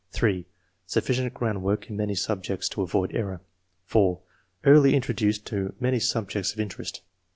(3) " Sufficient groundwork in many subjects to avoid error/' (4) "Early introduced to many subjects of interest."